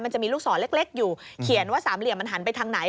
มันจะมีลูกศรเล็กอยู่เขียนว่าสามเหลี่ยมมันหันไปทางไหน